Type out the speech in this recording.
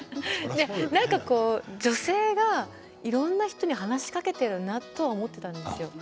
女性がいろんな人に話しかけているなと思っていたんです。